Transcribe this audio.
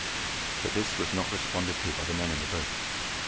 But this was not responded to by the men in the boat.